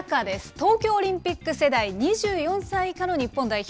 東京オリンピック世代、２４歳以下の日本代表。